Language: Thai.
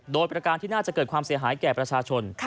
โดยประการที่น่าจะเกิดความเสียหายแก่ประชาชน